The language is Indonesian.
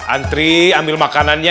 antri ambil makanannya